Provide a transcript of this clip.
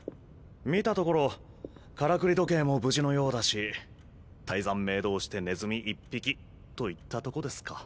見たところからくり時計も無事のようだし大山鳴動してネズミ１匹といったとこですか。